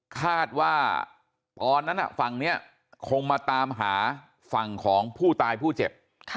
คาดว่าตอนนั้นฝั่งนี้คงมาตามหาฝั่งของผู้ตายผู้เจ็บ